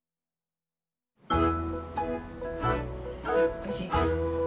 おいしい？